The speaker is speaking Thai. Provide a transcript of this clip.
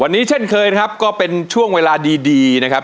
วันนี้เช่นเคยนะครับก็เป็นช่วงเวลาดีดีนะครับ